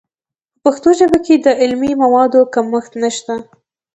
په پښتو ژبه کې د علمي موادو کمښت نشته.